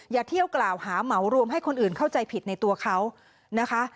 อย่าเที่ยวกล่าวหาเหมารวมให้คนอื่นเข้าใจผิดในตัวเขานะคะ